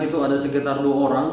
itu ada sekitar dua orang